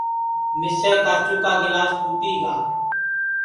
مِسے کاچُو کا جگ پُھوٹی گا